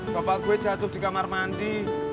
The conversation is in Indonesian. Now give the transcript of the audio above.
bapak gue jatuh di kamar mandi